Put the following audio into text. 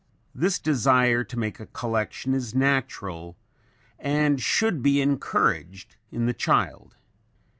This desire to make a collection is natural and should be encouraged in the child.